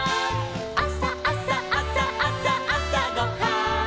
「あさあさあさあさあさごはん」